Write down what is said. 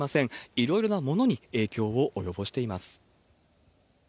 いろいろなものに影響を及ぼしています。